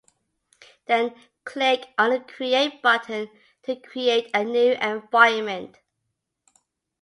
Then, click on the "Create" button to create a new environment.